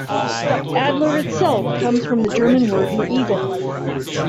Adler itself comes from the German word for eagle.